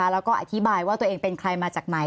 แล้วก็อธิบายว่าตัวเองเป็นใครมาจากไหน